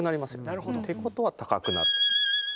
なるほど。ってことは高くなる。